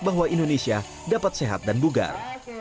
bahwa indonesia dapat sehat dan bugar